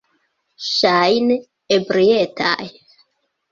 Ŝajne, ebrietaj.